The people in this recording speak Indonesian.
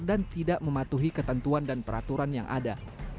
dan tidak mematuhi ketentuan dan peraturan yang ada